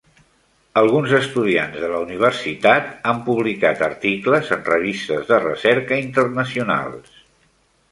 Alguns estudiants de la Universitat han publicat articles en revistes de recerca internacionals.